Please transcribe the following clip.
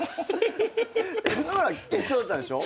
安村決勝だったんでしょ？